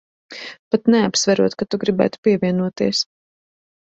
Pat neapsverot, ka tu gribētu pievienoties.